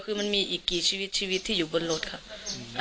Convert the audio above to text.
คือมันมีอีกกี่ชีวิตชีวิตที่อยู่บนรถค่ะ